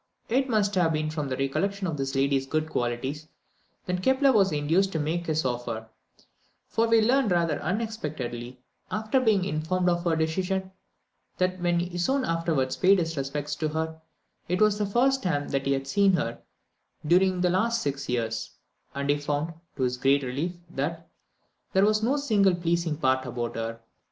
It must have been from a recollection of this lady's good qualities, that Kepler was induced to make his offer; for we learn rather unexpectedly, after being informed of her decision, that when he soon afterwards paid his respects to her, it was the first time that he had seen her during the last six years; and he found, to his great relief, that "there was no single pleasing part about her."